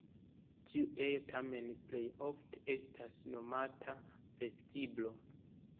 Tiu ejo tamen plej ofte estas nomata vestiblo.